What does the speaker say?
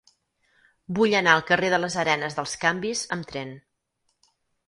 Vull anar al carrer de les Arenes dels Canvis amb tren.